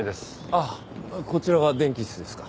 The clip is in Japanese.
あっこちらが電気室ですか？